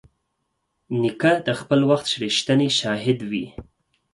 نیکه د خپل وخت رښتینی شاهد وي.